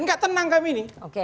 nggak tenang kami ini